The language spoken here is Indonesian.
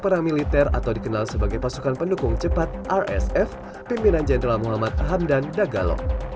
paramiliter atau dikenal sebagai pasukan pendukung cepat rsf pimpinan jenderal muhammad hamdan dagal